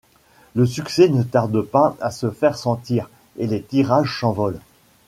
Le succès ne tarde pas à se faire sentir et les tirages s’envolent.